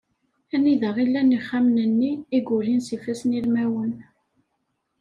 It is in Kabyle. Anida i llan yixxamen-nni i yulin s yifasssen ilmawen.